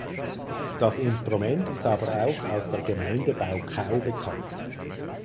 Das Instrument ist aber auch aus der Gemeinde Baucau bekannt.